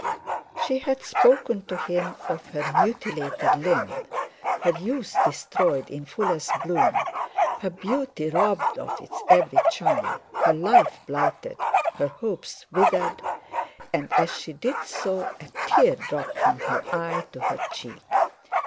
She had spoken to him of her mutilated limb, her youth destroyed in the fullest bloom, her beauty robbed of its every charm, her life blighted, her hopes withered; and as she did so, a tear dropped from her eye to her cheek.